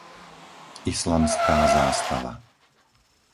islamská zástava